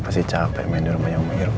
pasti capek main di rumah yang umur